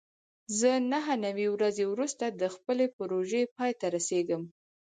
زه نهه نوي ورځې وروسته د خپلې پروژې پای ته رسېږم.